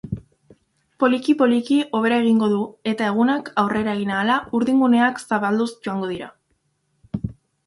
Poliki-poliki hobera egingo du eta egunak aurrera egin ahala urdinguneak zabalduz joango dira.